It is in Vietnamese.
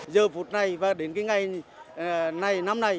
giờ phút này và đến ngày năm nay